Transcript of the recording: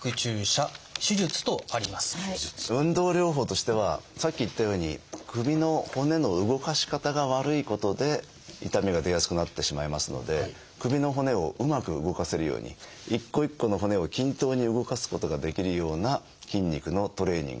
運動療法としてはさっき言ったように首の骨の動かし方が悪いことで痛みが出やすくなってしまいますので首の骨をうまく動かせるように一個一個の骨を均等に動かすことができるような筋肉のトレーニング。